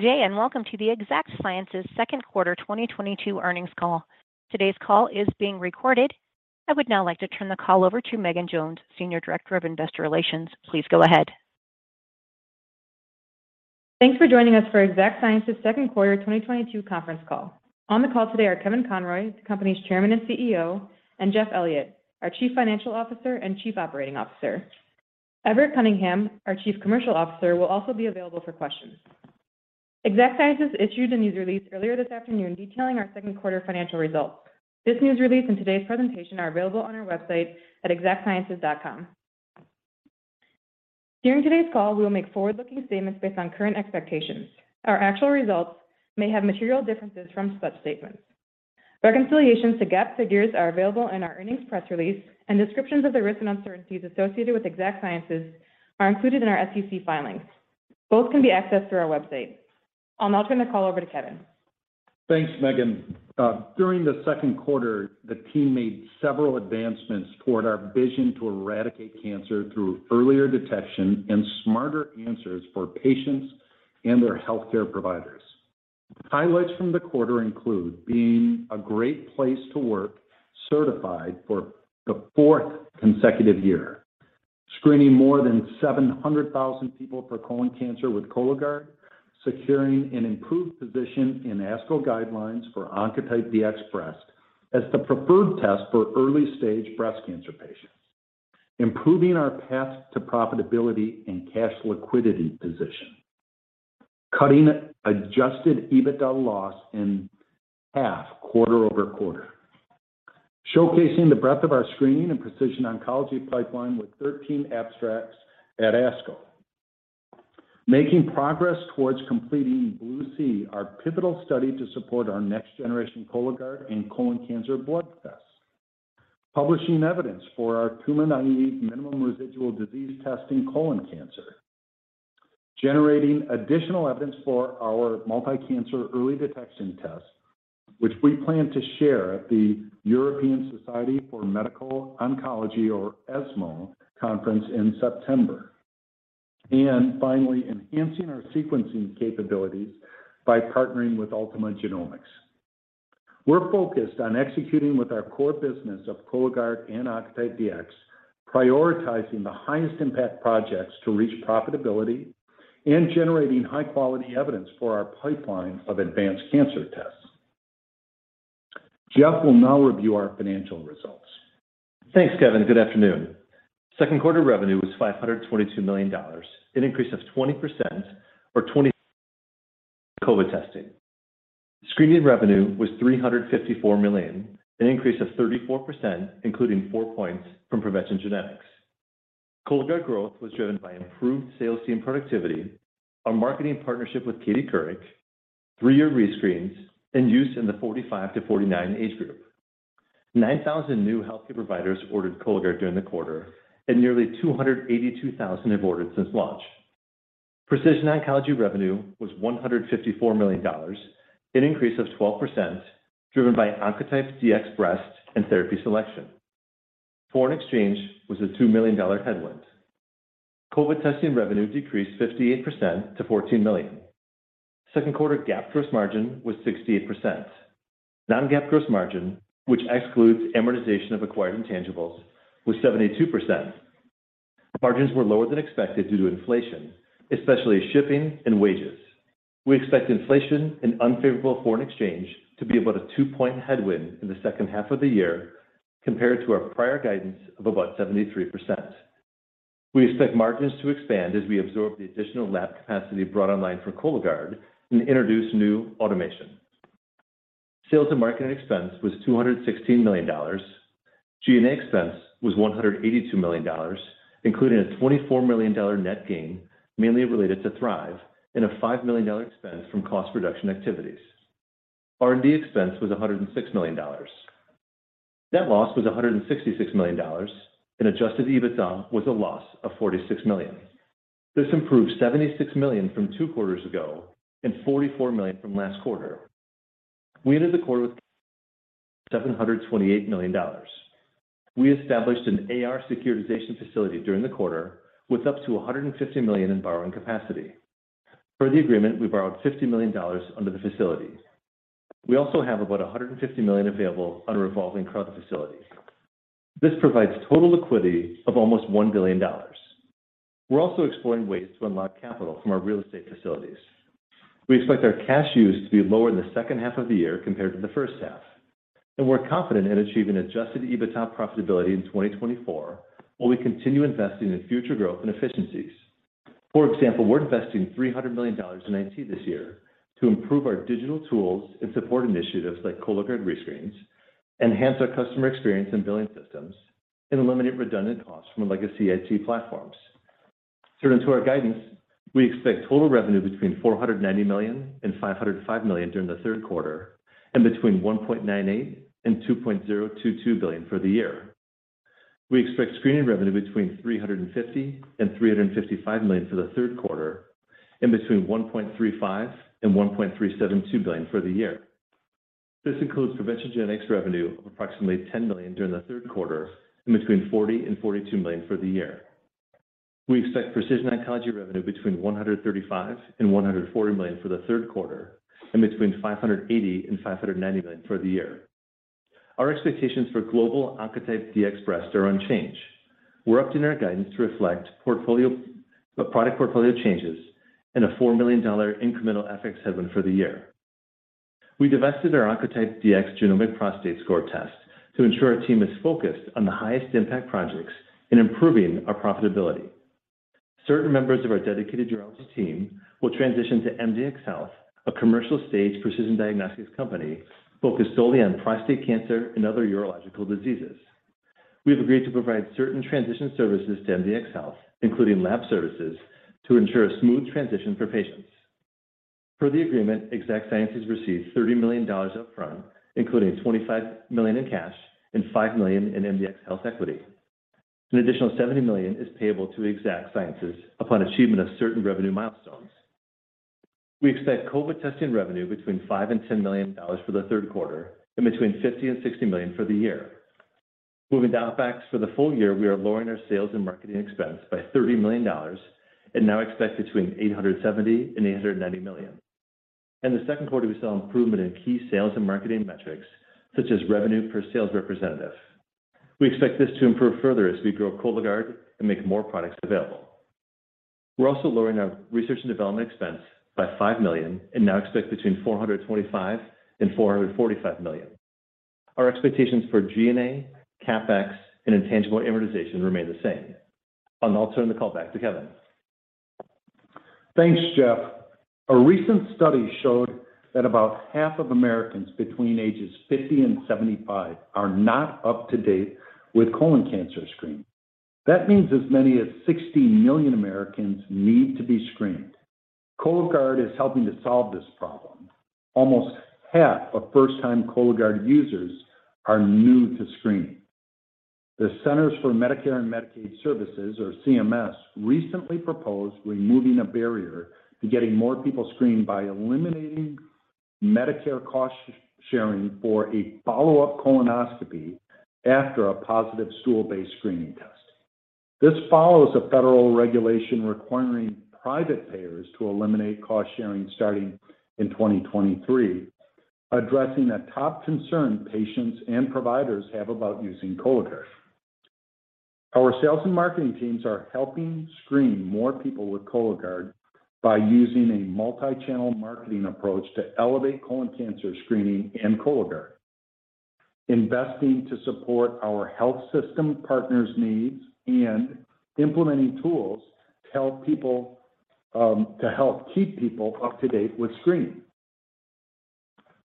Good day, and welcome to the Exact Sciences second quarter 2022 earnings call. Today's call is being recorded. I would now like to turn the call over to Megan Jones, Senior Director of Investor Relations. Please go ahead. Thanks for joining us for Exact Sciences second quarter 2022 conference call. On the call today are Kevin Conroy, the company's Chairman and CEO, and Jeff Elliott, our Chief Financial Officer and Chief Operating Officer. Everett Cunningham, our Chief Commercial Officer, will also be available for questions. Exact Sciences issued a news release earlier this afternoon detailing our second quarter financial results. This news release and today's presentation are available on our website at exactsciences.com. During today's call, we will make forward-looking statements based on current expectations. Our actual results may have material differences from such statements. Reconciliations to GAAP figures are available in our earnings press release, and descriptions of the risks and uncertainties associated with Exact Sciences are included in our SEC filings. Both can be accessed through our website. I'll now turn the call over to Kevin. Thanks, Megan. During the second quarter, the team made several advancements toward our vision to eradicate cancer through earlier detection and smarter answers for patients and their healthcare providers. Highlights from the quarter include being a great place to work certified for the fourth consecutive year. Screening more than 700,000 people for colon cancer with Cologuard. Securing an improved position in ASCO guidelines for Oncotype DX Breast as the preferred test for early-stage breast cancer patients. Improving our path to profitability and cash liquidity position. Cutting adjusted EBITDA loss in half quarter-over-quarter. Showcasing the breadth of our screening and precision oncology pipeline with 13 abstracts at ASCO. Making progress towards completing BLUE-C, our pivotal study to support our next generation Cologuard and colon cancer blood tests. Publishing evidence for our tumor-naïve minimum residual disease test in colon cancer. Generating additional evidence for our multi-cancer early detection test, which we plan to share at the European Society for Medical Oncology or ESMO Conference in September. Finally, enhancing our sequencing capabilities by partnering with Ultima Genomics. We're focused on executing with our core business of Cologuard and Oncotype DX, prioritizing the highest impact projects to reach profitability and generating high-quality evidence for our pipeline of advanced cancer tests. Jeff will now review our financial results. Thanks, Kevin. Good afternoon. Second quarter revenue was $522 million, an increase of 20% year-over-year or 27% excluding COVID testing. Screening revenue was $354 million, an increase of 34%, including four points from PreventionGenetics. Cologuard growth was driven by improved sales team productivity, our marketing partnership with Katie Couric, three-year rescreens, and use in the 45-49 age group. 9,000 new healthcare providers ordered Cologuard during the quarter, and nearly 282,000 have ordered since launch. Precision oncology revenue was $154 million, an increase of 12% driven by Oncotype DX Breast and therapy selection. Foreign exchange was a $2 million headwind. COVID testing revenue decreased 58% to $14 million. Second quarter GAAP gross margin was 68%. Non-GAAP gross margin, which excludes amortization of acquired intangibles, was 72%. Margins were lower than expected due to inflation, especially shipping and wages. We expect inflation and unfavorable foreign exchange to be about a two-point headwind in the second half of the year compared to our prior guidance of about 73%. We expect margins to expand as we absorb the additional lab capacity brought online for Cologuard and introduce new automation. Sales and marketing expense was $216 million. G&A expense was $182 million, including a $24 million net gain mainly related to Thrive and a $5 million expense from cost reduction activities. R&D expense was $106 million. Net loss was $166 million, and adjusted EBITDA was a loss of $46 million. This improved $76 million from two quarters ago and $44 million from last quarter. We entered the quarter with $728 million. We established an AR securitization facility during the quarter with up to $150 million in borrowing capacity. Per the agreement, we borrowed $50 million under the facility. We also have about $150 million available on a revolving credit facility. This provides total liquidity of almost $1 billion. We're also exploring ways to unlock capital from our real estate facilities. We expect our cash use to be lower in the second half of the year compared to the first half, and we're confident in achieving adjusted EBITDA profitability in 2024 while we continue investing in future growth and efficiencies. For example, we're investing $300 million in IT this year to improve our digital tools and support initiatives like Cologuard rescreens, enhance our customer experience and billing systems, and eliminate redundant costs from legacy IT platforms. Consistent with our guidance, we expect total revenue between $490 million and $505 million during the third quarter, and between $1.98 billion and $2.022 billion for the year. We expect screening revenue between $350 million and $355 million for the third quarter, and between $1.35 billion and $1.372 billion for the year. This includes PreventionGenetics revenue of approximately $10 million during the third quarter and between $40 million and $42 million for the year. We expect precision oncology revenue between $135 million and $140 million for the third quarter and between $580 million and $590 million for the year. Our expectations for global Oncotype DX Breast are unchanged. We're updating our guidance to reflect product portfolio changes and a $4 million incremental FX headwind for the year. We divested our Oncotype DX Genomic Prostate Score test to ensure our team is focused on the highest impact projects in improving our profitability. Certain members of our dedicated urology team will transition to MDxHealth, a commercial-stage precision diagnostics company focused solely on prostate cancer and other urological diseases. We have agreed to provide certain transition services to MDxHealth, including lab services, to ensure a smooth transition for patients. Per the agreement, Exact Sciences received $30 million upfront, including $25 million in cash and $5 million in MDxHealth equity. An additional $70 million is payable to Exact Sciences upon achievement of certain revenue milestones. We expect COVID testing revenue between $5 million and $10 million for the third quarter and between $50 million and $60 million for the year. Moving down facts for the full year, we are lowering our sales and marketing expense by $30 million and now expect between $870 million and $890 million. In the second quarter, we saw improvement in key sales and marketing metrics, such as revenue per sales representative. We expect this to improve further as we grow Cologuard and make more products available. We're also lowering our research and development expense by $5 million and now expect between $425 million and $445 million. Our expectations for G&A, CapEx and intangible amortization remain the same. I'll now turn the call back to Kevin. Thanks, Jeff. A recent study showed that about half of Americans between ages 50 and 75 are not up to date with colon cancer screening. That means as many as 60 million Americans need to be screened. Cologuard is helping to solve this problem. Almost half of first-time Cologuard users are new to screening. The Centers for Medicare and Medicaid Services, or CMS, recently proposed removing a barrier to getting more people screened by eliminating Medicare cost sharing for a follow-up colonoscopy after a positive stool-based screening test. This follows a federal regulation requiring private payers to eliminate cost sharing starting in 2023, addressing a top concern patients and providers have about using Cologuard. Our sales and marketing teams are helping screen more people with Cologuard by using a multi-channel marketing approach to elevate colon cancer screening and Cologuard, investing to support our health system partners' needs, and implementing tools to help people, to help keep people up to date with screening.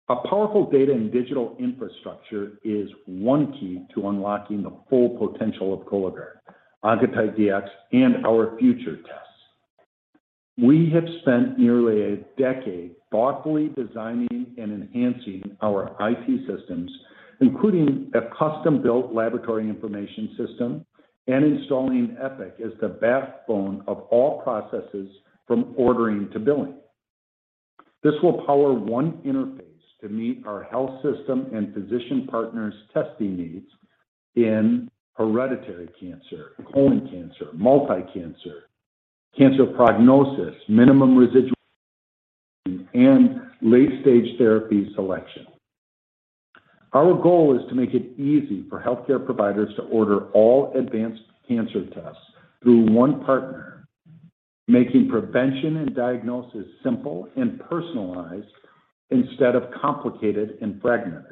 A powerful data and digital infrastructure is one key to unlocking the full potential of Cologuard, Oncotype DX, and our future tests. We have spent nearly a decade thoughtfully designing and enhancing our IT systems, including a custom-built laboratory information system and installing Epic as the backbone of all processes from ordering to billing. This will power one interface to meet our health system and physician partners' testing needs in hereditary cancer, colon cancer, multi-cancer, cancer prognosis, minimum residual and late-stage therapy selection. Our goal is to make it easy for healthcare providers to order all advanced cancer tests through one partner, making prevention and diagnosis simple and personalized instead of complicated and fragmented.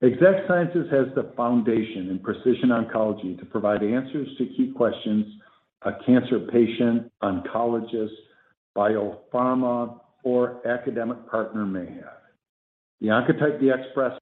Exact Sciences has the foundation in precision oncology to provide answers to key questions a cancer patient, oncologist, biopharma, or academic partner may have. The Oncotype DX Breast Please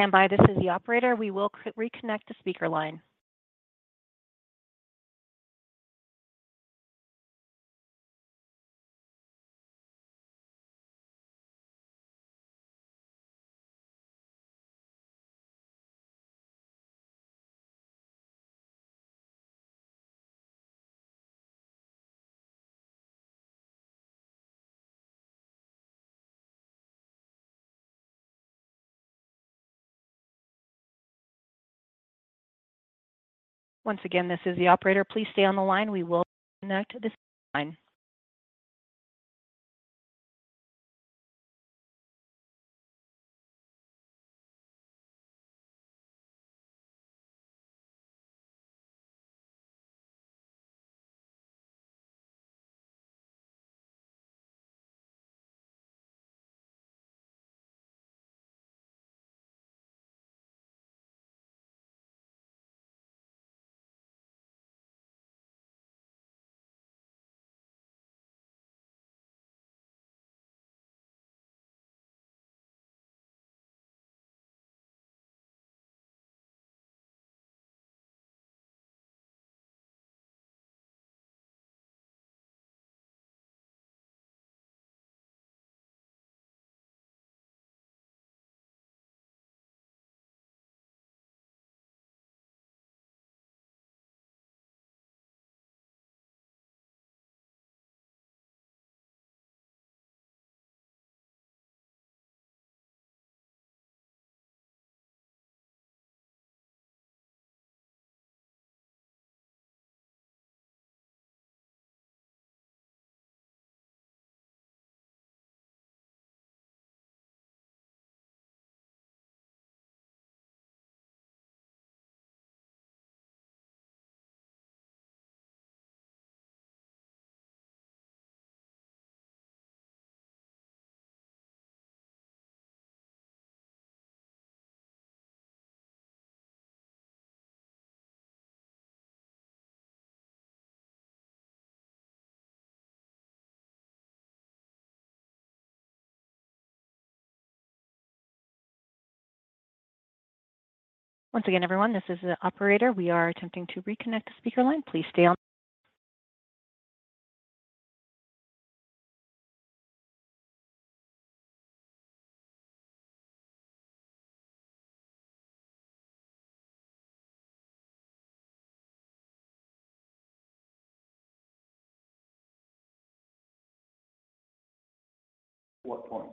stand by. This is the operator. We will reconnect the speaker line. Once again, this is the operator. Please stay on the line. We will reconnect the speaker line. Once again, everyone, this is the operator. We are attempting to reconnect the speaker line. Please stay on. What point?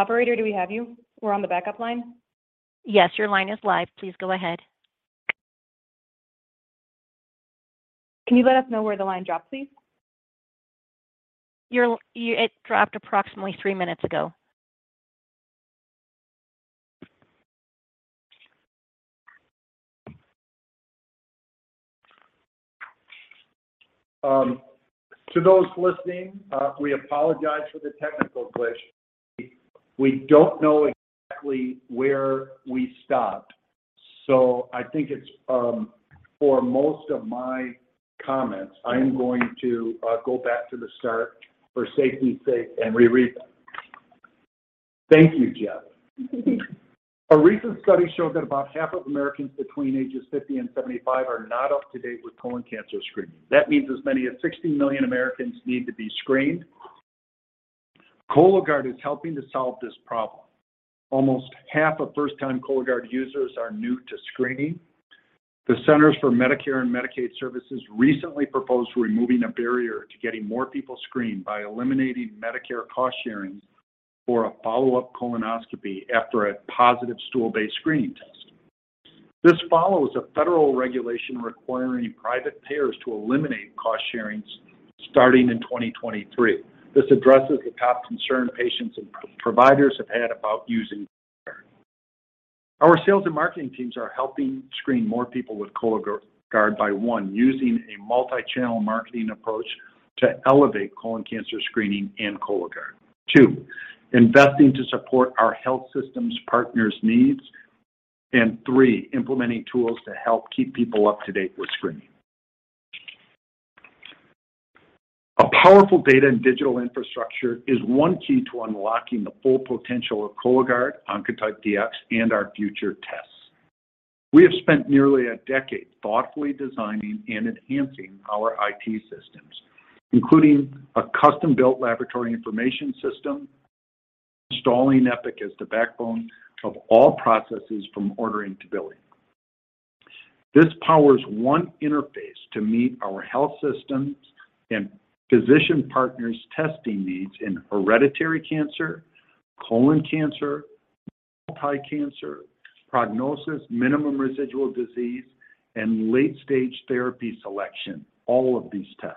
Operator, do we have you? We're on the backup line. Yes, your line is live. Please go ahead. Can you let us know where the line dropped, please? It dropped approximately three minutes ago. To those listening, we apologize for the technical glitch. We don't know exactly where we stopped. For most of my comments, I am going to go back to the start for safety sake and reread them. Thank you, Jeff. A recent study showed that about half of Americans between ages 50 and 75 are not up to date with colon cancer screening. That means as many as 60 million Americans need to be screened. Cologuard is helping to solve this problem. Almost half of first-time Cologuard users are new to screening. The Centers for Medicare and Medicaid Services recently proposed removing a barrier to getting more people screened by eliminating Medicare cost-sharing for a follow-up colonoscopy after a positive stool-based screening test. This follows a federal regulation requiring private payers to eliminate cost-sharings starting in 2023. This addresses the top concern patients and providers have had about using Cologuard. Our sales and marketing teams are helping screen more people with Cologuard by, one, using a multi-channel marketing approach to elevate colon cancer screening and Cologuard. Two, investing to support our health systems partners' needs. Three, implementing tools to help keep people up to date with screening. A powerful data and digital infrastructure is one key to unlocking the full potential of Cologuard, Oncotype DX, and our future tests. We have spent nearly a decade thoughtfully designing and enhancing our IT systems, including a custom-built laboratory information system, installing Epic as the backbone of all processes from ordering to billing. This powers one interface to meet our health systems' and physician partners' testing needs in hereditary cancer, colon cancer, multi-cancer, prognosis, minimum residual disease, and late-stage therapy selection, all of these tests.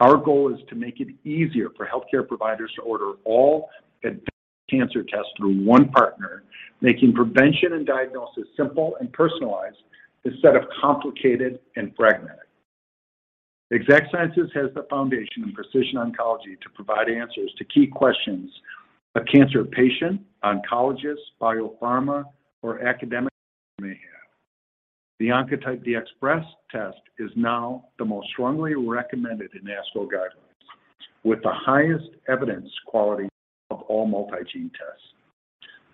Our goal is to make it easier for healthcare providers to order all advanced cancer tests through one partner, making prevention and diagnosis simple and personalized instead of complicated and fragmented. Exact Sciences has the foundation in precision oncology to provide answers to key questions a cancer patient, oncologist, biopharma, or academic may have. The Oncotype DX Breast test is now the most strongly recommended in NCCN guidelines, with the highest evidence quality of all multi-gene tests.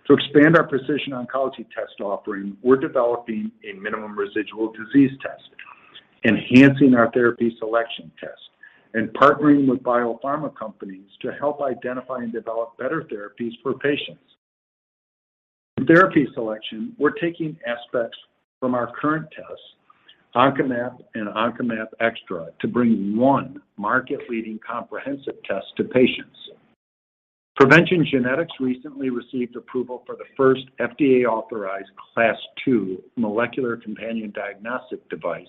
To expand our precision oncology test offering, we're developing a minimum residual disease test, enhancing our therapy selection test, and partnering with biopharma companies to help identify and develop better therapies for patients. In therapy selection, we're taking aspects from our current tests, OncoExTra, to bring one market-leading comprehensive test to patients. PreventionGenetics recently received approval for the first FDA-authorized Class Two molecular companion diagnostic device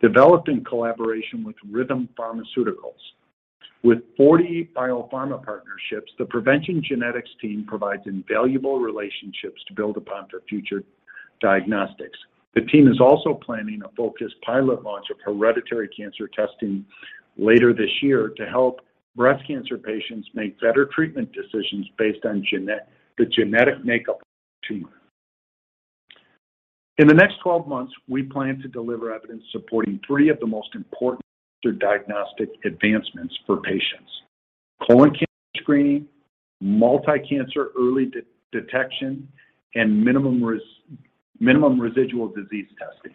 developed in collaboration with Rhythm Pharmaceuticals. With 40 biopharma partnerships, the PreventionGenetics team provides invaluable relationships to build upon for future diagnostics. The team is also planning a focused pilot launch of hereditary cancer testing later this year to help breast cancer patients make better treatment decisions based on the genetic makeup of their tumor. In the next 12 months, we plan to deliver evidence supporting three of the most important diagnostic advancements for patients: colon cancer screening, multi-cancer early detection, and minimum residual disease testing.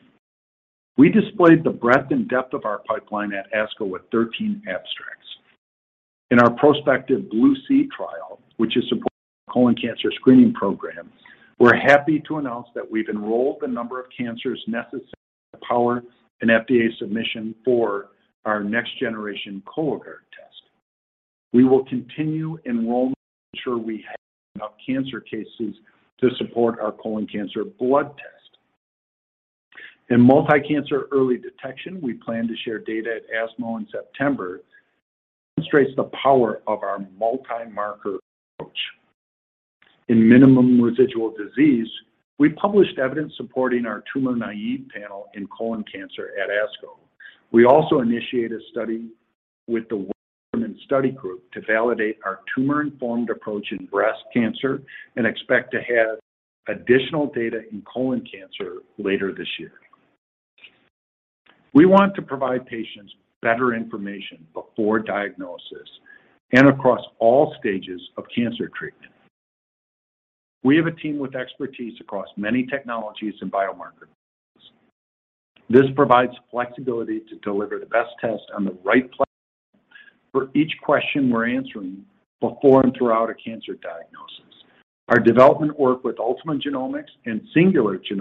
We displayed the breadth and depth of our pipeline at ASCO with 13 abstracts. In our prospective BLUE-C trial, which is supporting our colon cancer screening program, we're happy to announce that we've enrolled the number of cancers necessary to power an FDA submission for our next-generation Cologuard test. We will continue enrollment to ensure we have enough cancer cases to support our colon cancer blood test. In multi-cancer early detection, we plan to share data at ESMO in September that demonstrates the power of our multi-marker approach. In minimum residual disease, we published evidence supporting our tumor-naive panel in colon cancer at ASCO. We also initiated a study with the Women's Study Group to validate our tumor-informed approach in breast cancer and expect to have additional data in colon cancer later this year. We want to provide patients better information before diagnosis and across all stages of cancer treatment. We have a team with expertise across many technologies and biomarker types. This provides flexibility to deliver the best test on the right platform for each question we're answering before and throughout a cancer diagnosis. Our development work with Ultima Genomics and Singular Genomics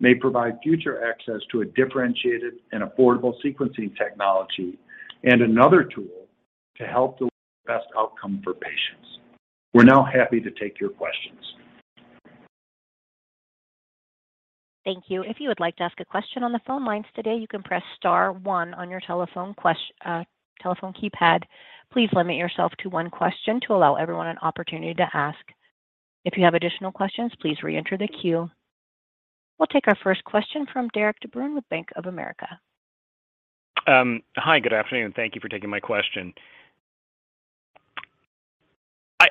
may provide future access to a differentiated and affordable sequencing technology and another tool to help deliver the best outcome for patients. We're now happy to take your questions. Thank you. If you would like to ask a question on the phone lines today, you can press star one on your telephone keypad. Please limit yourself to one question to allow everyone an opportunity to ask. If you have additional questions, please reenter the queue. We'll take our first question from Derik De Bruin with Bank of America. Hi, good afternoon. Thank you for taking my question.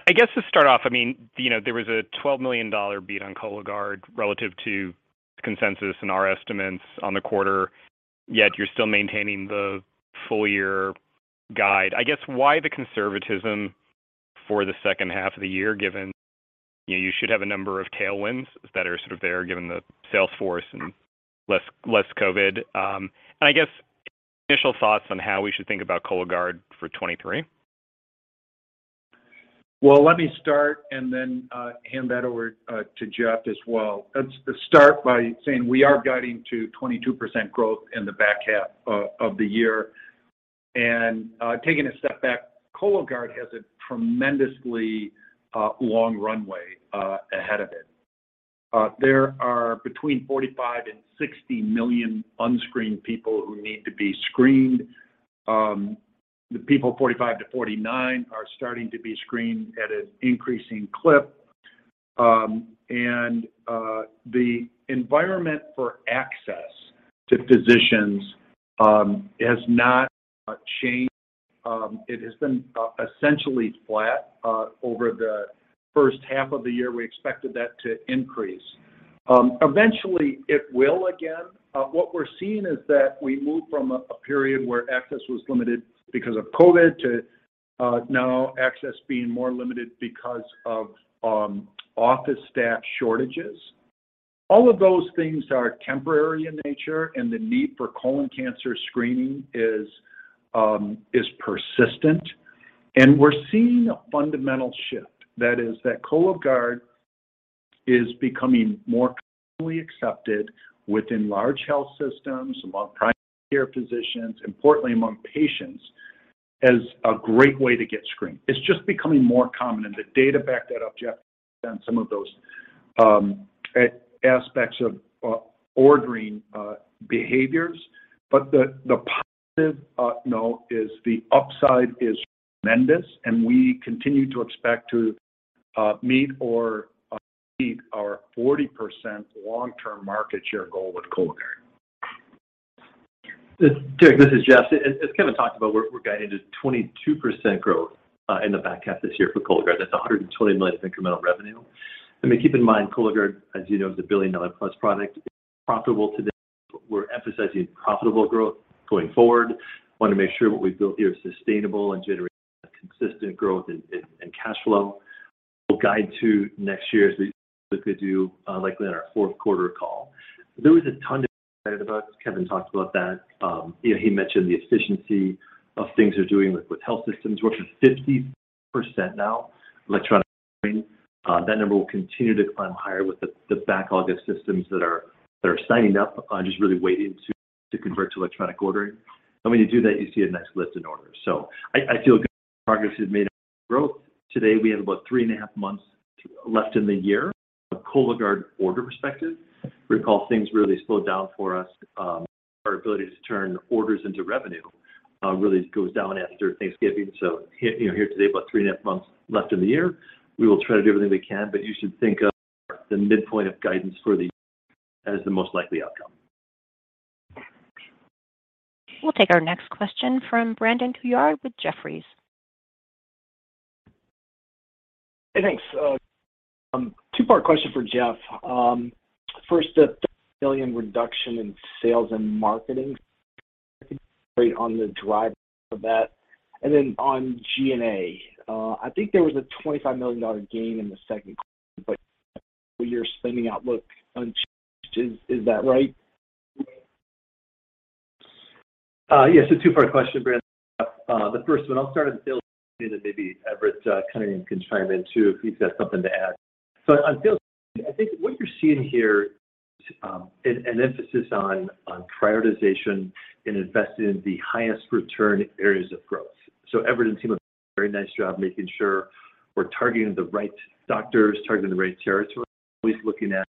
I guess to start off, I mean, you know, there was a $12 million beat on Cologuard relative to consensus and our estimates on the quarter, yet you're still maintaining the full year guide. I guess why the conservatism for the second half of the year, given, you know, you should have a number of tailwinds that are sort of there, given the sales force and less COVID? I guess initial thoughts on how we should think about Cologuard for 2023. Well, let me start and then hand that over to Jeff as well. Let's start by saying we are guiding to 22% growth in the back half of the year. Taking a step back, Cologuard has a tremendously long runway ahead of it. There are between 45-60 million unscreened people who need to be screened. The people 45-49 are starting to be screened at an increasing clip. The environment for access to physicians has not changed. It has been essentially flat over the first half of the year. We expected that to increase. Eventually it will again. What we're seeing is that we moved from a period where access was limited because of COVID to now access being more limited because of office staff shortages. All of those things are temporary in nature, and the need for colon cancer screening is persistent. We're seeing a fundamental shift. That is that Cologuard is becoming more commonly accepted within large health systems, among primary care physicians, importantly among patients, as a great way to get screened. It's just becoming more common, and the data back that up, Jeff, on some of those aspects of ordering behaviors. The positive note is the upside is tremendous, and we continue to expect to meet or beat our 40% long-term market share goal with Cologuard. Derik, this is Jeff. As Kevin talked about, we're guiding to 22% growth in the back half this year for Cologuard. That's $120 million of incremental revenue. I mean, keep in mind, Cologuard, as you know, is a billion-dollar-plus product. It's profitable today. We're emphasizing profitable growth going forward. Want to make sure what we've built here is sustainable and generates consistent growth and cash flow. We'll guide to next year as we look to do, likely on our fourth quarter call. There is a ton to be excited about, as Kevin talked about that. You know, he mentioned the efficiency of things we're doing with health systems. We're up to 50% now electronic ordering. That number will continue to climb higher with the backlog of systems that are signing up, just really waiting to convert to electronic ordering. When you do that, you see a nice lift in orders. I feel good progress is made on growth. Today, we have about three and a half months left in the year from a Cologuard order perspective. Recall things really slowed down for us. Our ability to turn orders into revenue really goes down after Thanksgiving. Here today, about three and a half months left in the year. We will try to do everything we can, but you should think of the midpoint of guidance for the year as the most likely outcome. We'll take our next question from Brandon Couillard with Jefferies. Hey, thanks. Two-part question for Jeff. First, a $1 billion reduction in sales and marketing. I can elaborate on the driver for that. On G&A. I think there was a $25 million gain in the second quarter, but your spending outlook unchanged. Is that right? Yes. Two-part question, Brandon. The first one I'll start on the sales side, and then maybe Everett can chime in too, if he's got something to add. On sales, I think what you're seeing here is an emphasis on prioritization in investing in the highest return areas of growth. Everett and team have done a very nice job making sure we're targeting the right doctors, targeting the right territories, always looking at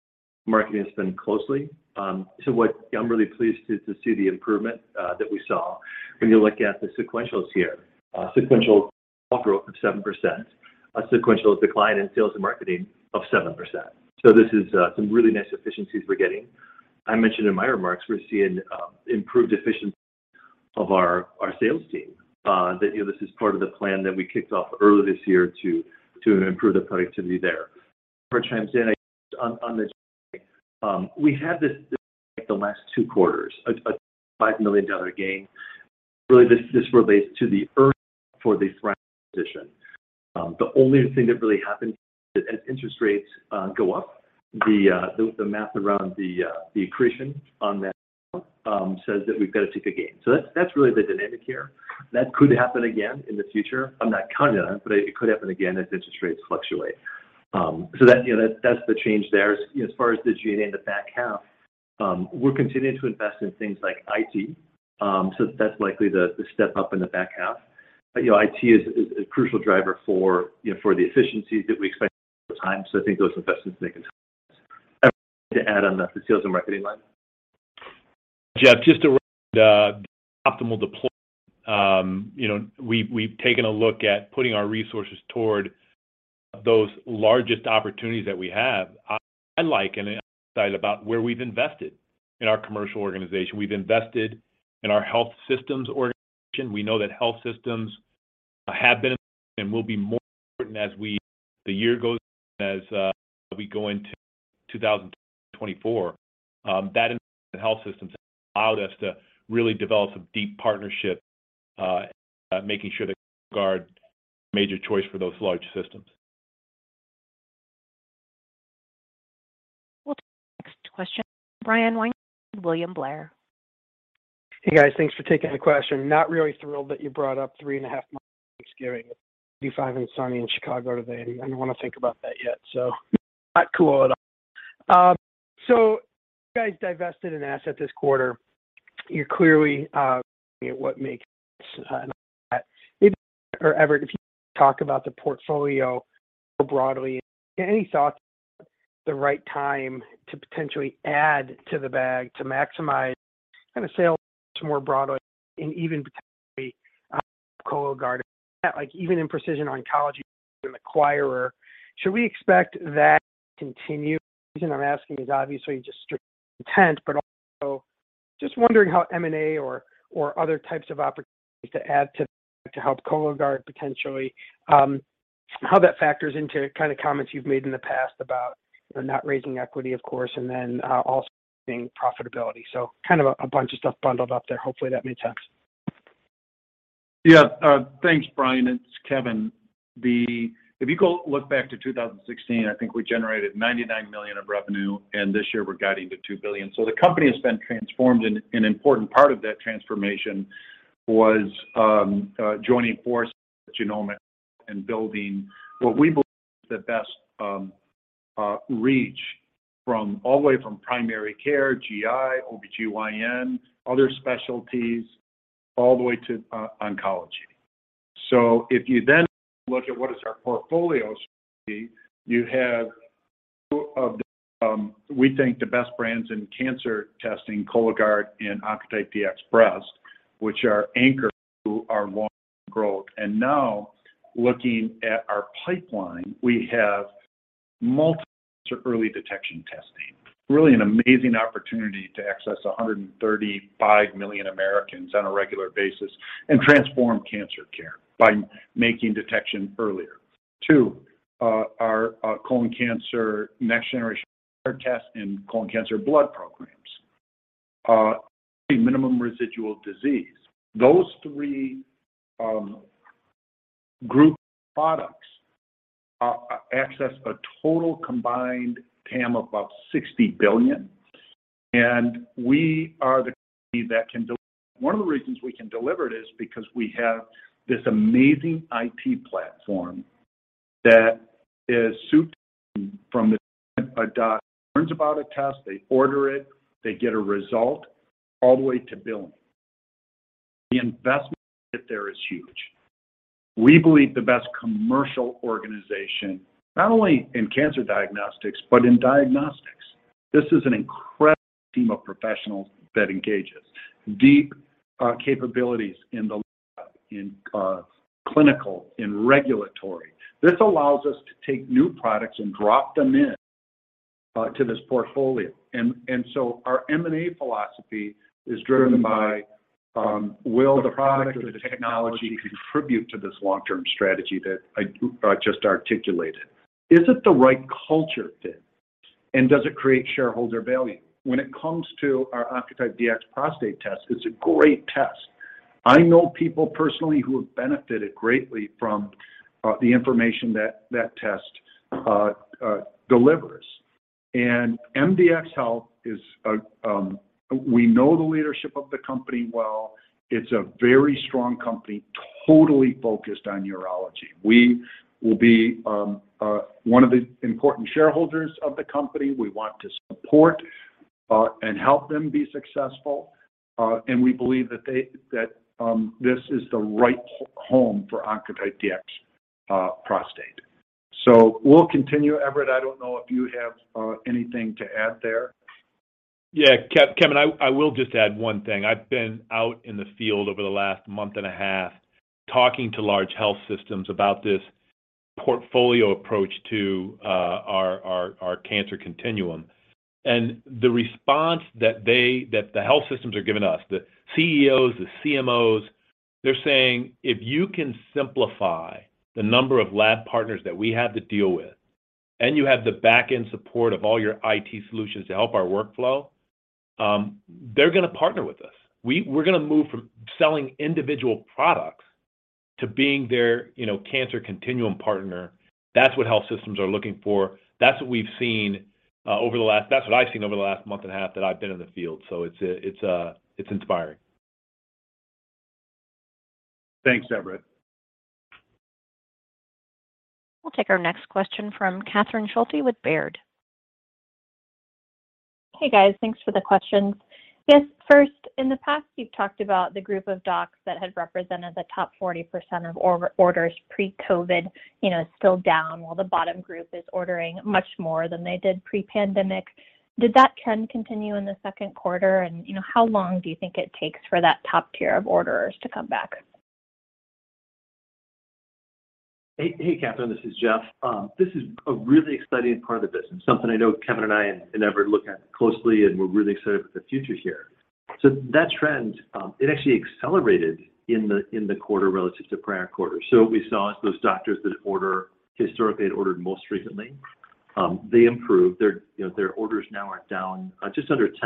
marketing spend closely. What I'm really pleased to see the improvement that we saw when you look at the sequentials here. Sequential up growth of 7%, a sequential decline in sales and marketing of 7%. This is some really nice efficiencies we're getting. I mentioned in my remarks we're seeing improved efficiency of our sales team. You know, this is part of the plan that we kicked off early this year to improve the productivity there. Everett chimes in on this. We had in the last two quarters a $5 million gain. Really, this relates to the earn-out for the Thrive position. The only thing that really happened as interest rates go up, the math around the accretion on that says that we've got a bigger gain. That's really the dynamic here. That could happen again in the future. I'm not counting on it, but it could happen again as interest rates fluctuate. You know, that's the change there. As far as the G&A in the back half, we're continuing to invest in things like IT. That's likely to step up in the back half. You know, IT is a crucial driver for, you know, for the efficiencies that we expect over time. I think those investments make a ton of sense. Everett, anything to add on the sales and marketing line? Jeff, just around optimal deployment. You know, we've taken a look at putting our resources toward those largest opportunities that we have. I like and I'm excited about where we've invested in our commercial organization. We've invested in our health systems organization. We know that health systems have been important and will be more important as the year goes on, as we go into 2024. That investment in health systems has allowed us to really develop some deep partnerships, making sure that Cologuard is a major choice for those large systems. We'll take our next question from Brian Weinstein, William Blair. Hey, guys. Thanks for taking the question. Not really thrilled that you brought up three and a half months to Thanksgiving. It's 55 and sunny in Chicago today, and I don't want to think about that yet, so not cool at all. You guys divested an asset this quarter. You're clearly looking at what makes sense. Maybe or Everett, if you talk about the portfolio more broadly. Any thoughts about the right time to potentially add to the bag to maximize kind of sales more broadly and even potentially Cologuard? Like even in precision oncology, you've been an acquirer. Should we expect that to continue? The reason I'm asking is obviously just strict intent, but also just wondering how M&A or other types of opportunities to add to help Cologuard potentially, how that factors into kind of comments you've made in the past about not raising equity, of course, and then also seeing profitability. Kind of a bunch of stuff bundled up there. Hopefully that made sense. Yeah. Thanks, Brian. It's Kevin. If you go look back to 2016, I think we generated $99 million of revenue, and this year we're guiding to $2 billion. The company has been transformed, and an important part of that transformation was joining forces with Genomic Health and building what we believe is the best reach from all the way from primary care, GI, OBGYN, other specialties, all the way to oncology. If you then look at what is our portfolio strategy, you have two of the we think the best brands in cancer testing, Cologuard and Oncotype DX Breast, which are anchors to our long-term growth. Now looking at our pipeline, we have multiple early detection testing. Really an amazing opportunity to access 135 million Americans on a regular basis and transform cancer care by making detection earlier. Two, our colon cancer next generation test and colon cancer blood programs, minimum residual disease. Those three group products access a total combined TAM of about $60 billion, and we are the company that can deliver. One of the reasons we can deliver it is because we have this amazing IT platform that is suited from the time a doc learns about a test, they order it, they get a result, all the way to billing. The investment there is huge. We believe the best commercial organization, not only in cancer diagnostics, but in diagnostics. This is an incredible team of professionals that engages deep capabilities in the lab, in clinical, in regulatory. This allows us to take new products and drop them in to this portfolio. Our M&A philosophy is driven by, will the product or the technology contribute to this long-term strategy that I just articulated? Is it the right culture fit? Does it create shareholder value? When it comes to our Oncotype DX Prostate test, it's a great test. I know people personally who have benefited greatly from the information that that test delivers. MDxHealth is a, we know the leadership of the company well. It's a very strong company, totally focused on urology. We will be one of the important shareholders of the company. We want to support and help them be successful. We believe that this is the right home for Oncotype DX Prostate. We'll continue. Everett, I don't know if you have anything to add there. Yeah. Kevin, I will just add one thing. I've been out in the field over the last month and a half talking to large health systems about this portfolio approach to our cancer continuum. The response that the health systems are giving us, the CEOs, the CMOs, they're saying if you can simplify the number of lab partners that we have to deal with, and you have the back-end support of all your IT solutions to help our workflow, they're gonna partner with us. We're gonna move from selling individual products to being their, you know, cancer continuum partner. That's what health systems are looking for. That's what I've seen over the last month and a half that I've been in the field. It's inspiring. Thanks, Everett. We'll take our next question from Catherine Schulte with Baird. Hey, guys. Thanks for the questions. Yes. First, in the past, you've talked about the group of docs that had represented the top 40% of our orders pre-COVID, you know, is still down while the bottom group is ordering much more than they did pre-pandemic. Did that trend continue in the second quarter? You know, how long do you think it takes for that top tier of orders to come back? Hey. Hey, Catherine, this is Jeff. This is a really exciting part of the business, something I know Kevin and I and Everett look at closely, and we're really excited about the future here. That trend, it actually accelerated in the quarter relative to prior quarters. We saw those doctors that order historically had ordered most recently, they improved. Their, you know, their orders now are down just under 10%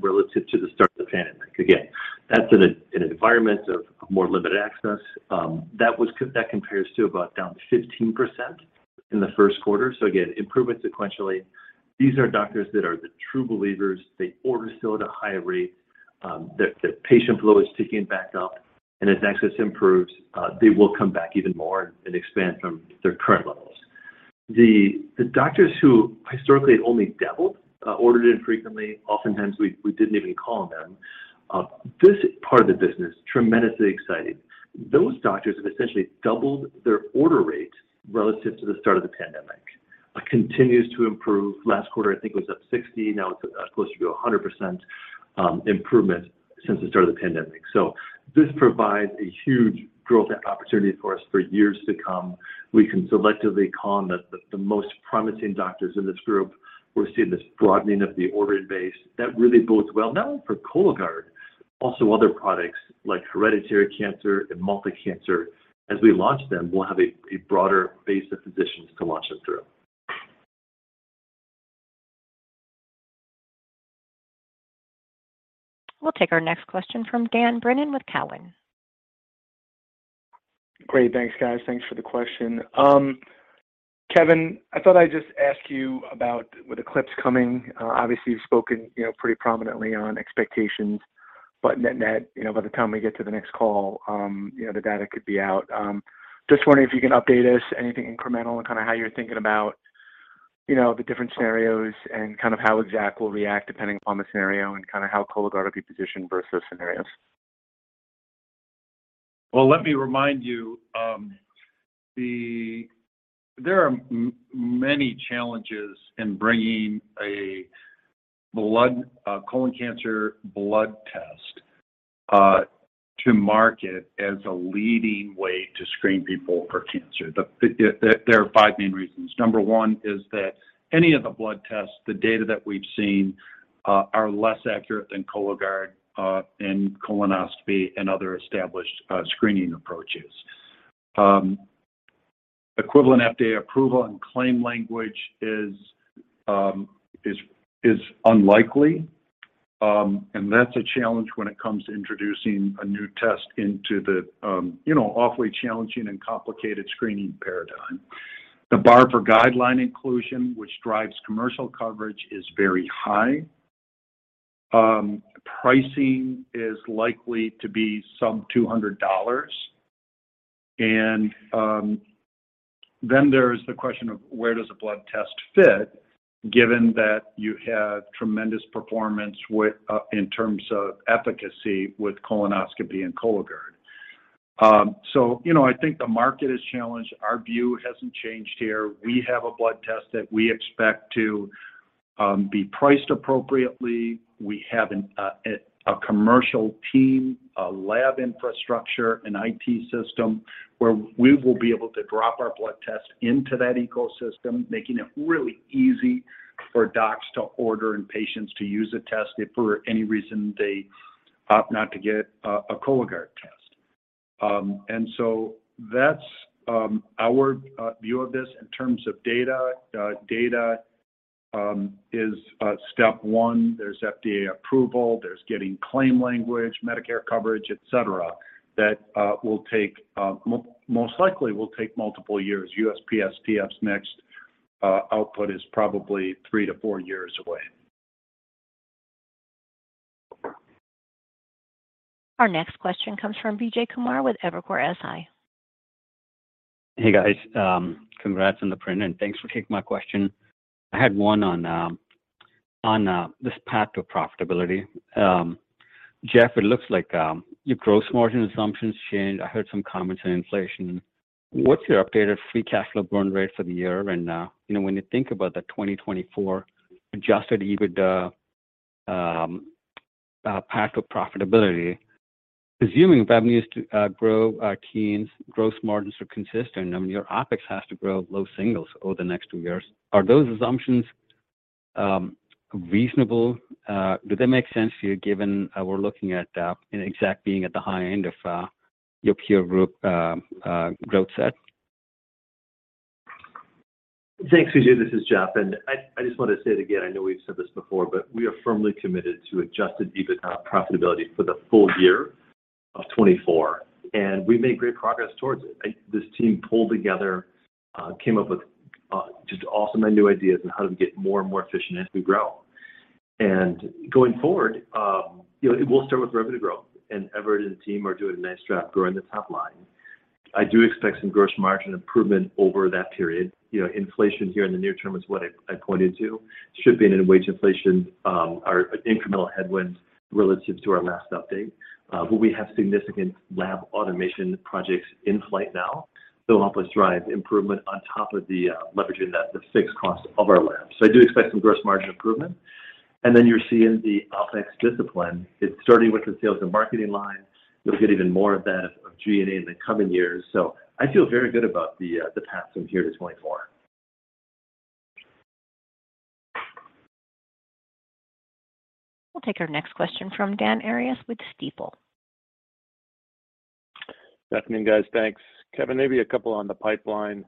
relative to the start of the pandemic. Again, that's in an environment of more limited access. That compares to about down 15% in the first quarter. Again, improvement sequentially. These are doctors that are the true believers. They order still at a higher rate. The patient flow is ticking back up. As access improves, they will come back even more and expand from their current levels. The doctors who historically had only dabbled ordered infrequently, oftentimes we didn't even call on them, this part of the business tremendously exciting. Those doctors have essentially doubled their order rate relative to the start of the pandemic. Continues to improve. Last quarter, I think, was up 60%. Now it's close to 100% improvement since the start of the pandemic. This provides a huge growth opportunity for us for years to come. We can selectively call on the most promising doctors in this group. We're seeing this broadening of the ordering base. That really bodes well not only for Cologuard, also other products like hereditary cancer and multi-cancer. As we launch them, we'll have a broader base of physicians to launch them through. We'll take our next question from Dan Brennan with Cowen. Great. Thanks, guys. Thanks for the question. Kevin, I thought I'd just ask you about with ECLIPSE coming, obviously, you've spoken, you know, pretty prominently on expectations. Net-net, you know, by the time we get to the next call, you know, the data could be out. Just wondering if you can update us anything incremental and kind of how you're thinking about, you know, the different scenarios and kind of how Exact we'll react depending upon the scenario and kind of how Cologuard will be positioned versus those scenarios. Well, let me remind you, there are many challenges in bringing a blood colon cancer blood test to market as a leading way to screen people for cancer. There are five main reasons. Number one is that any of the blood tests, the data that we've seen, are less accurate than Cologuard and colonoscopy and other established screening approaches. Equivalent FDA approval and claim language is unlikely. That's a challenge when it comes to introducing a new test into the, you know, awfully challenging and complicated screening paradigm. The bar for guideline inclusion, which drives commercial coverage, is very high. Pricing is likely to be some $200. There's the question of where does a blood test fit given that you have tremendous performance with, in terms of efficacy with colonoscopy and Cologuard. You know, I think the market is challenged. Our view hasn't changed here. We have a blood test that we expect to be priced appropriately. We have a commercial team, a lab infrastructure, an IT system where we will be able to drop our blood test into that ecosystem, making it really easy for docs to order and patients to use a test if for any reason they opt not to get a Cologuard test. That's our view of this in terms of data. Data is step one. There's FDA approval, there's getting claim language, Medicare coverage, et cetera, that will take most likely multiple years. USPSTF's next output is probably three to four years away. Our next question comes from Vijay Kumar with Evercore ISI. Hey guys, congrats on the print, and thanks for taking my question. I had one on this path to profitability. Jeff, it looks like your gross margin assumptions changed. I heard some comments on inflation. What's your updated free cash flow burn rate for the year? You know, when you think about the 2024 adjusted EBITDA path to profitability, assuming revenues to grow teens, gross margins are consistent, I mean, your OpEx has to grow low singles over the next two years. Are those assumptions reasonable? Do they make sense to you given we're looking at you know Exact being at the high end of your peer group growth set? Thanks, Vijay. This is Jeff. I just wanna say it again, I know we've said this before, but we are firmly committed to adjusted EBITDA profitability for the full year of 2024, and we made great progress towards it. This team pulled together, came up with just awesome and new ideas on how to get more and more efficient as we grow. Going forward, you know, it will start with revenue growth, and Everett and team are doing a nice job growing the top line. I do expect some gross margin improvement over that period. You know, inflation here in the near term is what I pointed to. Shipping and wage inflation are an incremental headwind relative to our last update. We have significant lab automation projects in flight now that'll help us drive improvement on top of leveraging the fixed cost of our labs. I do expect some gross margin improvement. Then you're seeing the OpEx discipline. It's starting with the sales and marketing line. You'll get even more of that in G&A in the coming years. I feel very good about the path from here to 2024. We'll take our next question from Dan Arias with Stifel. Good afternoon, guys. Thanks. Kevin, maybe a couple on the pipeline.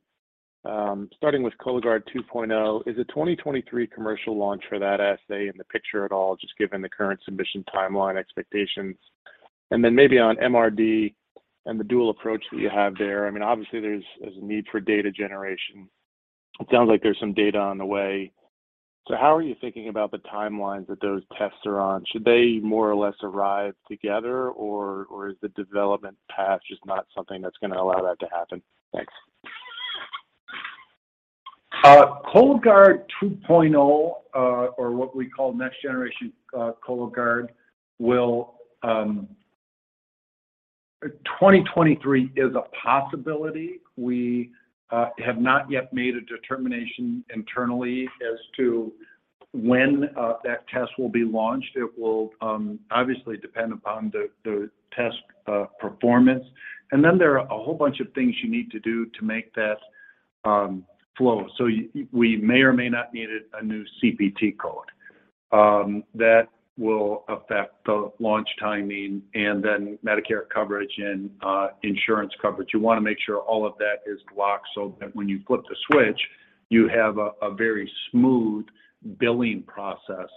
Starting with Cologuard 2.0, is a 2023 commercial launch for that assay in the picture at all, just given the current submission timeline expectations? Maybe on MRD and the dual approach that you have there, I mean, obviously, there's a need for data generation. It sounds like there's some data on the way. How are you thinking about the timelines that those tests are on? Should they more or less arrive together, or is the development path just not something that's gonna allow that to happen? Thanks. Cologuard 2.0, or what we call next generation Cologuard, will 2023 is a possibility. We have not yet made a determination internally as to when that test will be launched. It will obviously depend upon the test performance. Then there are a whole bunch of things you need to do to make that flow. We may or may not need a new CPT code. That will affect the launch timing and then Medicare coverage and insurance coverage. You wanna make sure all of that is locked so that when you flip the switch, you have a very smooth billing process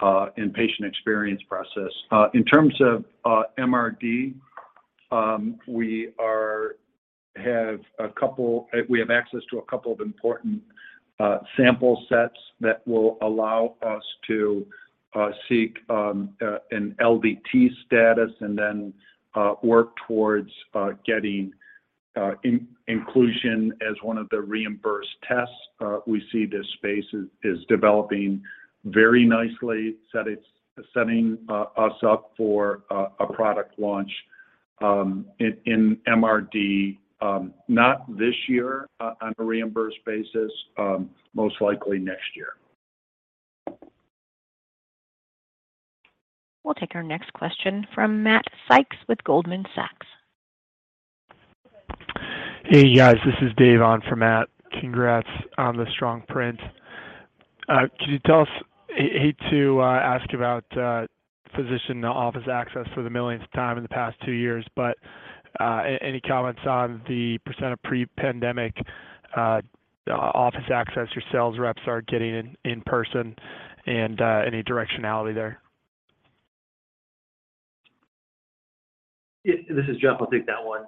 and patient experience process. In terms of MRD, we have access to a couple of important sample sets that will allow us to seek an LDT status and then work towards getting inclusion as one of the reimbursed tests. We see this space is developing very nicely. It's setting us up for a product launch in MRD not this year on a reimbursed basis, most likely next year. We'll take our next question from Matt Sykes with Goldman Sachs. Hey, guys. This is Dave on for Matt. Congrats on the strong print. Could you tell us, I hate to ask about physician office access for the millionth time in the past two years, but any comments on the percent of pre-pandemic office access your sales reps are getting in in person and any directionality there? Yeah, this is Jeff. I'll take that one.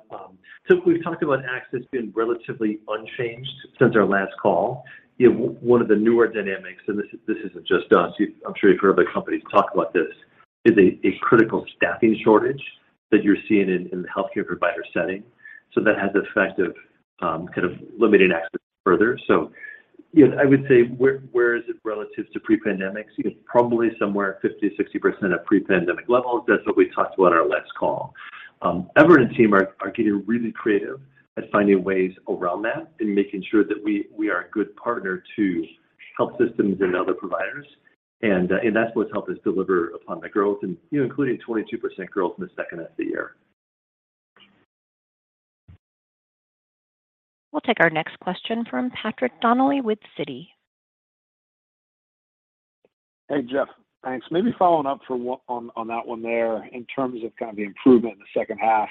So we've talked about access being relatively unchanged since our last call. You know, one of the newer dynamics, and this is, this isn't just us, you, I'm sure you've heard other companies talk about this, is a critical staffing shortage that you're seeing in the healthcare provider setting. So that has the effect of kind of limiting access further. So, you know, I would say where is it relative to pre-pandemic? You know, probably somewhere 50%-60% of pre-pandemic levels. That's what we talked about on our last call. Everett and team are getting really creative at finding ways around that and making sure that we are a good partner to health systems and other providers, and that's what's helped us deliver upon the growth and, you know, including 22% growth in the second half of the year. We'll take our next question from Patrick Donnelly with Citi. Hey, Jeff. Thanks. Maybe following up on that one there in terms of kind of the improvement in the second half.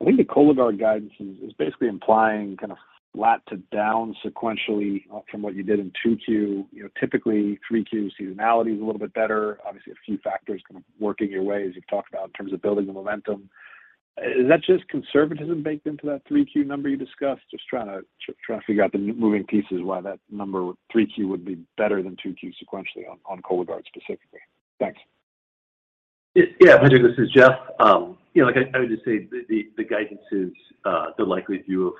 I think the Cologuard guidance is basically implying kind of flat to down sequentially from what you did in 2Q. You know, typically, 3Q seasonality is a little bit better. Obviously, a few factors kind of working your way, as you've talked about in terms of building the momentum. Is that just conservatism baked into that 3Q number you discussed? Just trying to figure out the moving pieces why that number 3Q would be better than 2Q sequentially on Cologuard specifically. Thanks. Yeah. Patrick, this is Jeff. You know, like I would just say the guidance is the likely view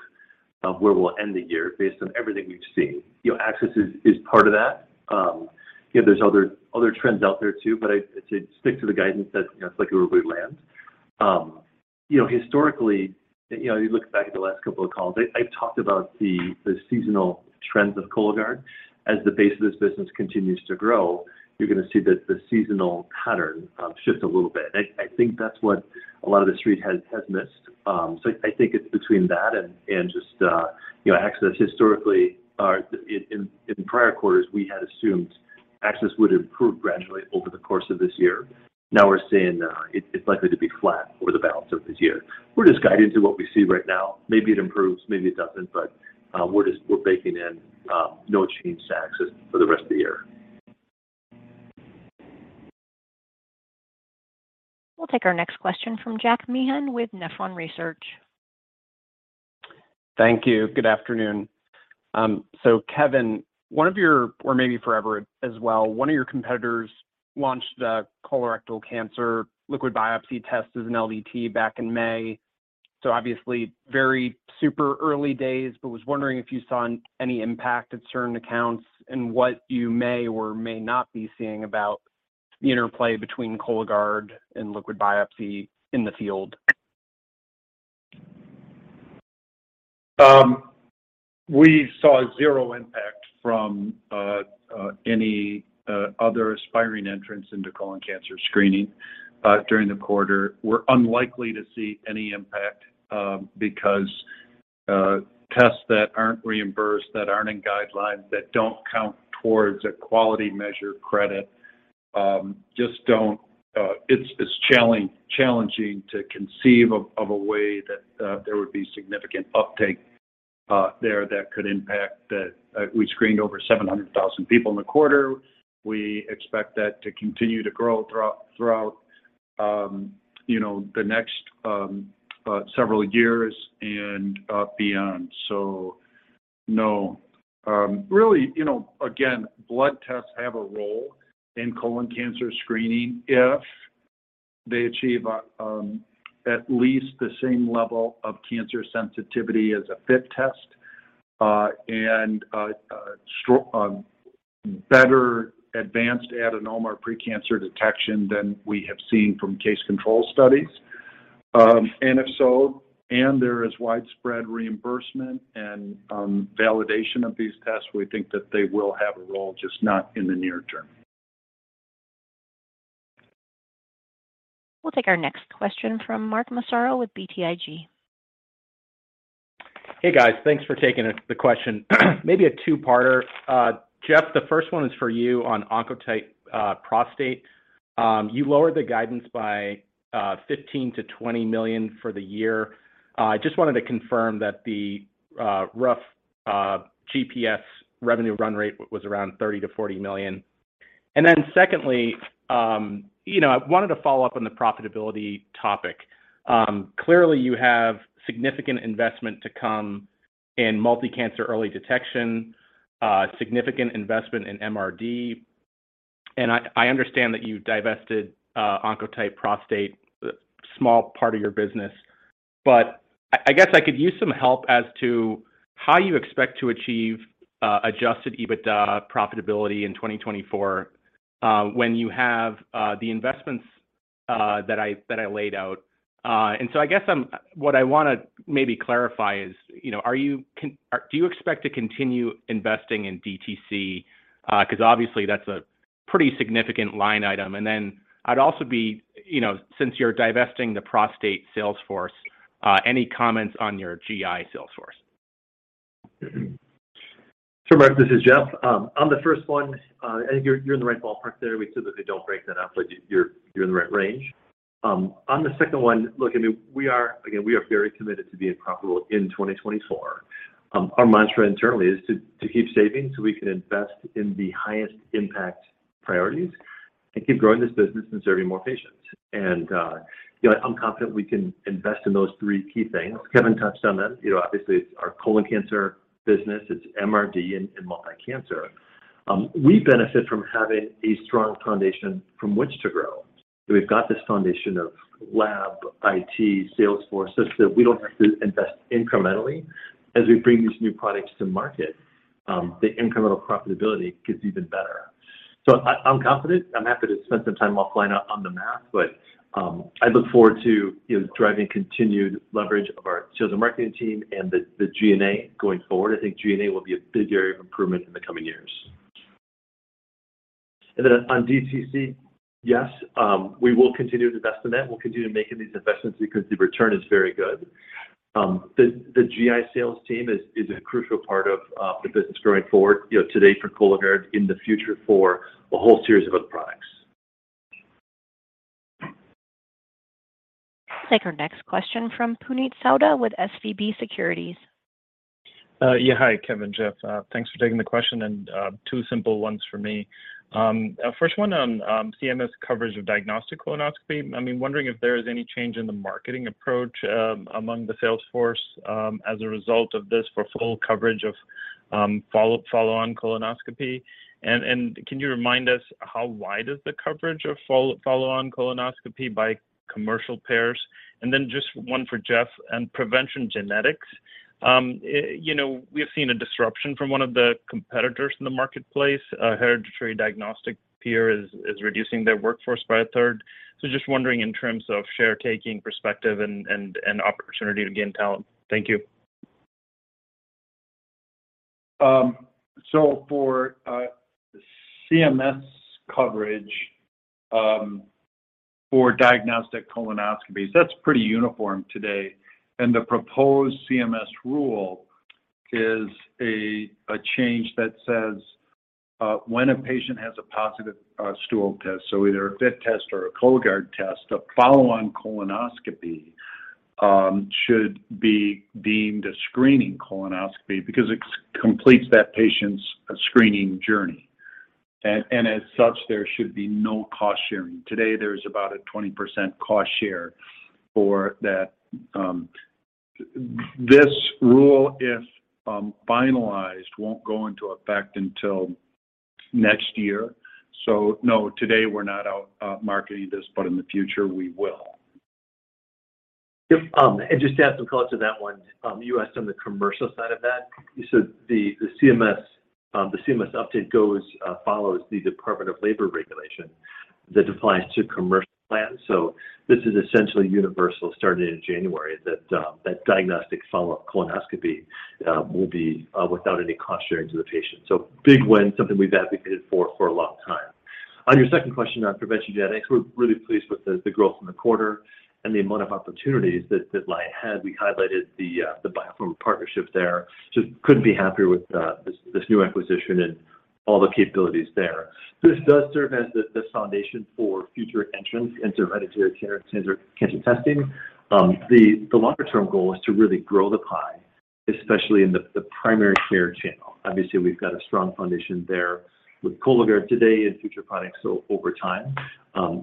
of where we'll end the year based on everything we've seen. You know, access is part of that. You know, there's other trends out there too, but I'd say stick to the guidance that, you know, it's likely where we land. You know, historically, you know, you look back at the last couple of calls, I've talked about the seasonal trends of Cologuard. As the base of this business continues to grow, you're gonna see the seasonal pattern shift a little bit. I think that's what a lot of the Street has missed. I think it's between that and just, you know, access historically or in prior quarters, we had assumed access would improve gradually over the course of this year. Now we're saying it's likely to be flat over the balance of this year. We're just guiding to what we see right now. Maybe it improves, maybe it doesn't. We're baking in no change to access for the rest of the year. We'll take our next question from Jack Meehan with Nephron Research. Thank you. Good afternoon. Kevin, one of your, or maybe for Everett as well, one of your competitors launched a colorectal cancer liquid biopsy test as an LDT back in May. Obviously, very super early days, but was wondering if you saw any impact at certain accounts and what you may or may not be seeing about the interplay between Cologuard and liquid biopsy in the field? We saw zero impact from any other aspiring entrants into colon cancer screening during the quarter. We're unlikely to see any impact because tests that aren't reimbursed, that aren't in guidelines, that don't count towards a quality measure credit just don't. It's challenging to conceive of a way that there would be significant uptake there that could impact that. We screened over 700,000 people in the quarter. We expect that to continue to grow throughout you know the next several years and beyond. No. Really, you know, again, blood tests have a role in colon cancer screening if they achieve at least the same level of cancer sensitivity as a FIT test and better advanced adenoma pre-cancer detection than we have seen from case-control studies. If so, there is widespread reimbursement and validation of these tests, we think that they will have a role just not in the near term. We'll take our next question from Mark Massaro with BTIG. Hey, guys. Thanks for taking the question. Maybe a two-parter. Jeff, the first one is for you on Oncotype Prostate. You lowered the guidance by $15 million-$20 million for the year. Just wanted to confirm that the rough GPS revenue run rate was around $30 million-$40 million. Then secondly, you know, I wanted to follow up on the profitability topic. Clearly you have significant investment to come in multi-cancer early detection, significant investment in MRD. I understand that you divested Oncotype Prostate, a small part of your business. I guess I could use some help as to how you expect to achieve adjusted EBITDA profitability in 2024, when you have the investments that I laid out. What I wanna maybe clarify is, you know, Do you expect to continue investing in DTC? 'Cause obviously that's a pretty significant line item. Then I'd also be, you know, since you're divesting the prostate sales force, any comments on your GI sales force? Mark, this is Jeff. On the first one, I think you're in the right ballpark there. We typically don't break that out, but you're in the right range. On the second one, look, I mean, we are, again, we are very committed to being profitable in 2024. Our mantra internally is to keep saving so we can invest in the highest impact priorities and keep growing this business and serving more patients. You know, I'm confident we can invest in those three key things. Kevin touched on them. You know, obviously it's our colon cancer business, it's MRD and multi-cancer. We benefit from having a strong foundation from which to grow. We've got this foundation of lab, IT, sales forces that we don't have to invest incrementally as we bring these new products to market. The incremental profitability gets even better. I'm confident. I'm happy to spend some time offline on the math, but I look forward to, you know, driving continued leverage of our sales and marketing team and the G&A going forward. I think G&A will be a big area of improvement in the coming years. Then on DTC, yes, we will continue to invest in that. We'll continue making these investments because the return is very good. The GI sales team is a crucial part of the business going forward, you know, today for Cologuard, in the future for a whole series of other products. Take our next question from Puneet Souda with SVB Securities. Yeah, hi, Kevin, Jeff. Thanks for taking the question, and two simple ones for me. First one on CMS coverage of diagnostic colonoscopy. I mean, wondering if there is any change in the marketing approach among the sales force as a result of this for full coverage of follow-on colonoscopy. Can you remind us how wide is the coverage of follow-on colonoscopy by commercial payers? Just one for Jeff on PreventionGenetics. You know, we've seen a disruption from one of the competitors in the marketplace. A hereditary diagnostic peer is reducing their workforce by a third. Just wondering in terms of share taking perspective and opportunity to gain talent. Thank you. For CMS coverage for diagnostic colonoscopies, that's pretty uniform today. The proposed CMS rule is a change that says when a patient has a positive stool test, so either a FIT test or a Cologuard test, a follow-on colonoscopy should be deemed a screening colonoscopy because it completes that patient's screening journey. As such, there should be no cost-sharing. Today, there's about a 20% cost share for that. This rule, if finalized, won't go into effect until next year. No, today we're not out marketing this, but in the future, we will. Yep. Just to add some color to that one, you asked on the commercial side of that. The CMS update also follows the Department of Labor regulation that applies to commercial plans. This is essentially universal starting in January that diagnostic follow-up colonoscopy will be without any cost-sharing to the patient. Big win, something we've advocated for a long time. On your second question on PreventionGenetics, we're really pleased with the growth in the quarter and the amount of opportunities that Exact has. We highlighted the Biofrontera partnership there. Just couldn't be happier with this new acquisition and all the capabilities there. This does serve as the foundation for future entrants into hereditary cancer testing. The longer term goal is to really grow the pie, especially in the primary care channel. Obviously, we've got a strong foundation there with Cologuard today and future products over time.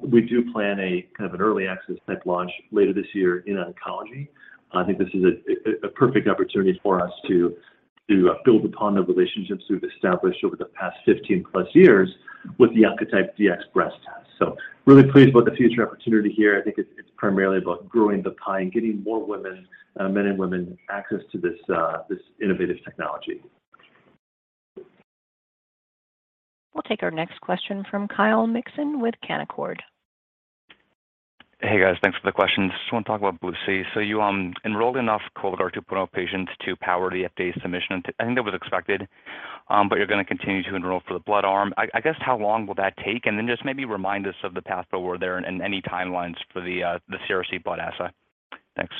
We do plan a kind of an early access type launch later this year in oncology. I think this is a perfect opportunity for us to build upon the relationships we've established over the past 15+ years with the Oncotype DX Breast test. Really pleased about the future opportunity here. I think it's primarily about growing the pie and getting more women, men and women access to this innovative technology. We'll take our next question from Kyle Mikson with Canaccord. Hey, guys. Thanks for the questions. Just want to talk about BLUE-C. You enrolled enough Cologuard 2.0 patients to power the FDA submission. I think that was expected, but you're gonna continue to enroll for the blood arm. I guess, how long will that take? Then just maybe remind us of the path forward there and any timelines for the CRC blood assay. Thanks.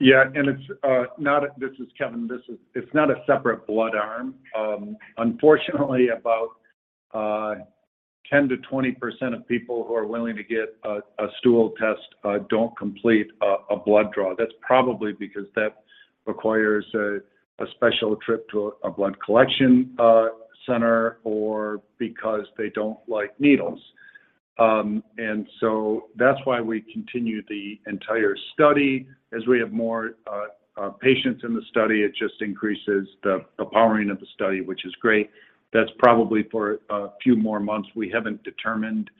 This is Kevin. It's not a separate blood arm. Unfortunately, about 10%-20% of people who are willing to get a stool test don't complete a blood draw. That's probably because that requires a special trip to a blood collection center or because they don't like needles. That's why we continue the entire study. As we have more patients in the study, it just increases the powering of the study, which is great. That's probably for a few more months. We haven't determined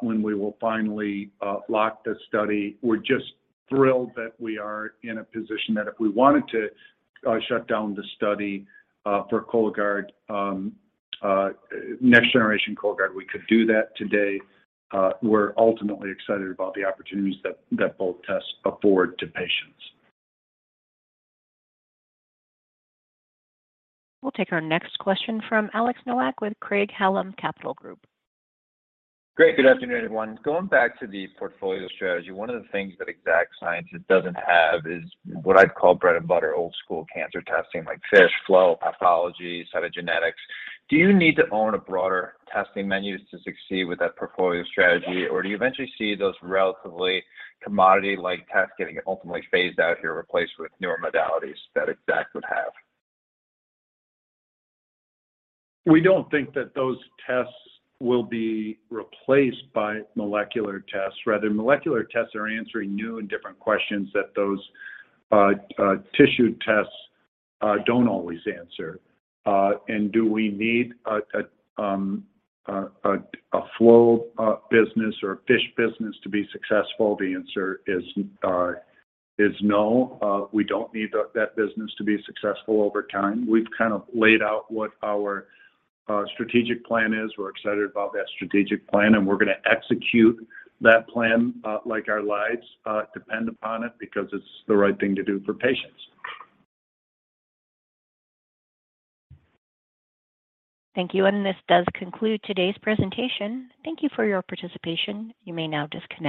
when we will finally lock the study. We're just thrilled that we are in a position that if we wanted to shut down the study for Cologuard next generation Cologuard, we could do that today. We're ultimately excited about the opportunities that both tests afford to patients. We'll take our next question from Alex Nowak with Craig-Hallum Capital Group. Great. Good afternoon, everyone. Going back to the portfolio strategy, one of the things that Exact Sciences doesn't have is what I'd call bread and butter, old school cancer testing like FISH, flow, pathology, cytogenetics. Do you need to own a broader testing menus to succeed with that portfolio strategy? Or do you eventually see those relatively commodity-like tests getting ultimately phased out or replaced with newer modalities that Exact would have? We don't think that those tests will be replaced by molecular tests. Rather, molecular tests are answering new and different questions that those tissue tests don't always answer. Do we need a flow business or FISH business to be successful? The answer is no. We don't need that business to be successful over time. We've kind of laid out what our strategic plan is. We're excited about that strategic plan, and we're gonna execute that plan like our lives depend upon it because it's the right thing to do for patients. Thank you, and this does conclude today's presentation. Thank you for your participation. You may now disconnect.